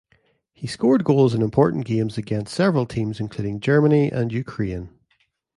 He scored goals in important games against several teams, including Germany and Ukraine.